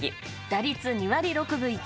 打率２割６分１厘。